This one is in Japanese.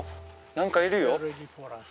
何かいるよ